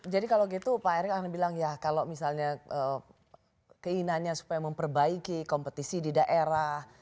jadi kalau begitu pak erick akan bilang ya kalau misalnya keinginannya supaya memperbaiki kompetisi di daerah